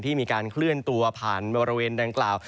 มีการเคลื่อนตัวผ่านบริเวณดังกล่าว